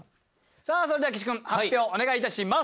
さぁそれでは岸君発表お願いいたします。